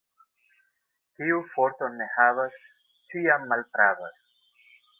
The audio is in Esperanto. Kiu forton ne havas, ĉiam malpravas.